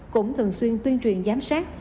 cũng thường xuyên tuyên truyền giám sát